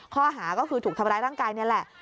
ข้อหาก็คือถูกทำร้ายร่างกายนี่แหละ